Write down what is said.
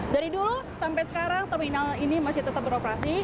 dari dulu sampai sekarang terminal ini masih tetap beroperasi